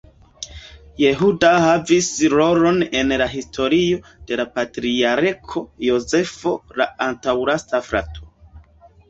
Jehuda havis rolon en la historio de Patriarko Jozefo, la antaŭlasta frato.